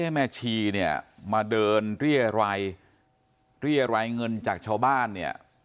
แม่ชีเนี่ยมาเดินเรียรัยเรียรายเงินจากชาวบ้านเนี่ย